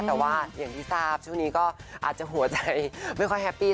แต่ว่าอย่างที่ทราบช่วงนี้ก็อาจจะหัวใจไม่ค่อยแฮปปี้